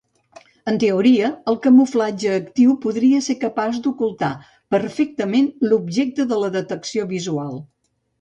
En teoria, el camuflatge actiu podria ser capaç d'ocultar perfectament l'objecte de la detecció visual.